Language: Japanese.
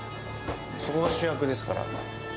そこが主役ですから。